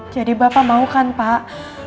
jadi bapak mau kan pak